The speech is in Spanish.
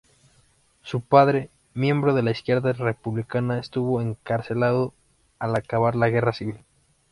Su padre, miembro de Izquierda Republicana, estuvo encarcelado al acabar la Guerra Civil.